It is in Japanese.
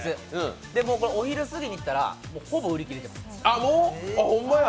お昼すぎに行ったらほぼ売り切れてます。